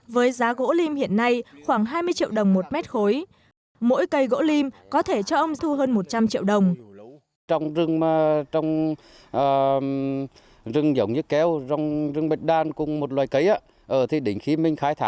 với giá gỗ lim hiện nay khoảng hai mươi triệu đồng một mét